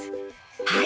はい。